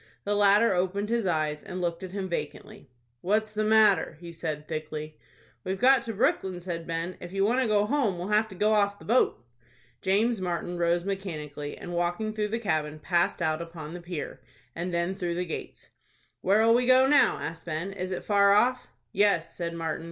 The latter opened his eyes, and looked at him vacantly. "What's the matter?" he said, thickly. "We've got to Brooklyn," said Ben. "If you want to go home, we'll have to go off the boat." James Martin rose mechanically, and, walking through the cabin, passed out upon the pier, and then through the gates. "Where'll we go now?" asked Ben. "Is it far off?" "Yes," said Martin.